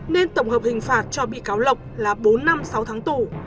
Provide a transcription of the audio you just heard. nên tổng hợp hình phạt cho bị cáo lộc là bốn năm sáu tháng tù